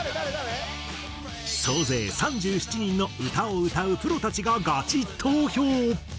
総勢３７人の歌を歌うプロたちがガチ投票。